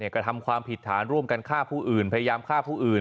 กระทำความผิดฐานร่วมกันฆ่าผู้อื่นพยายามฆ่าผู้อื่น